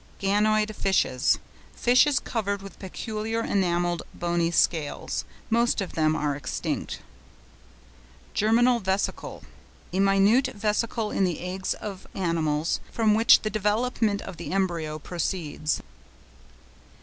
GANOID FISHES.—Fishes covered with peculiar enamelled bony scales. Most of them are extinct. GERMINAL VESICLE.—A minute vesicle in the eggs of animals, from which the development of the embryo proceeds.